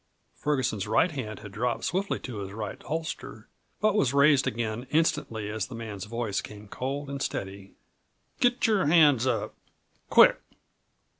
Ferguson's right hand had dropped swiftly to his right holster, but was raised again instantly as the man's voice came cold and steady: "Get your hands up quick!"